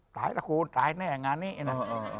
ตายละคูณตายแน่งานนี้นะ